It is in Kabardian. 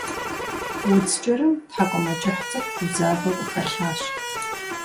Удз кӀырым тхьэкӀумэкӀыхь цӀыкӀу гузавэу къыхэлъащ